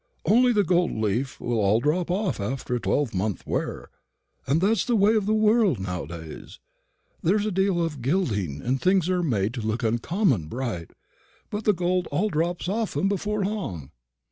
Only the gold leaf will all drop off after a twelvemonth's wear; and that's the way of the world nowadays. There's a deal of gilding, and things are made to look uncommon bright; but the gold all drops off 'em before long."